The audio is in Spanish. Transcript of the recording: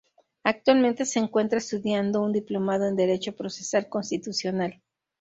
Actualmente se encuentra estudiando un diplomado en Derecho Procesal Constitucional.